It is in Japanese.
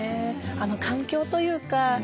あの環境というか。